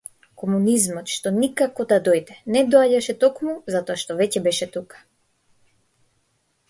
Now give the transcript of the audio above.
Комунизмот што никако да дојде, не доаѓаше токму затоа што веќе беше тука.